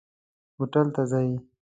هوټل ته ځئ؟